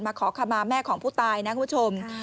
มหาขาบมาแม่ของผู้ตายนะครับทุกคน